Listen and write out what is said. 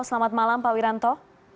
selamat malam pak wiranto